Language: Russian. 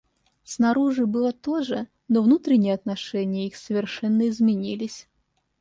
Снаружи было то же, но внутренние отношения их совершенно изменились.